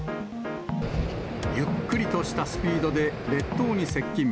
ゆっくりとしたスピードで列島に接近。